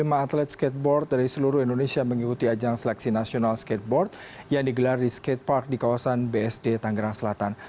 lima atlet skateboard dari seluruh indonesia mengikuti ajang seleksi nasional skateboard yang digelar di skatepark di kawasan bsd tanggerang selatan